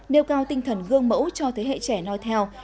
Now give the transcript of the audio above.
nêu cao tinh thần gương mẫu cho thế hệ trẻ nói theo